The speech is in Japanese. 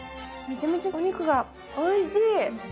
めちゃめちゃお肉がおいしい！